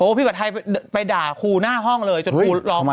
โอ้พี่ผัดไทยไปด่าครูหน้าห้องเลยจนครูร้องหน้าอยู่ตรงนี้